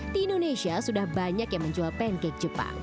di indonesia sudah banyak yang menjual pancake jepang